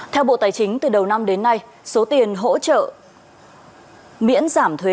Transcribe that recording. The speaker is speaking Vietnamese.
theo bộ tài chính từ đầu năm đến nay số tiền hỗ trợ miễn giảm thuế